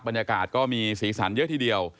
บรรยากาศก็มีสีสันเยอะทีเดียว